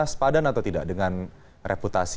sepadan atau tidak dengan reputasi